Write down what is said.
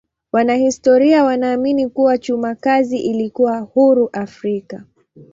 Wanahistoria wanaamini kuwa chuma kazi ilikuwa huru Afrika.